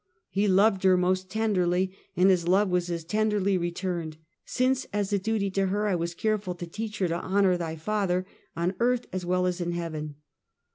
He loved her most tenderly, and his love was as tenderly returned. Since, as a duty to her, I was careful to teach her to " honor thy father " on earth as well as in heaven.